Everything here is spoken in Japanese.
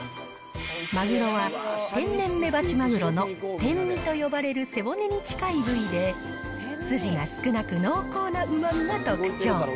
まぐろは天然メバチマグロの天身と呼ばれる背骨に近い部位で、筋が少なく濃厚なうまみが特徴。